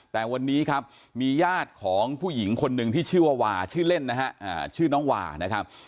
แต่วันนี้ครับมีญาติของผู้หญิงคนหนึ่งที่ชื่อว่าวาชื่อเล่นนะฮะชื่อน้องวานะครับ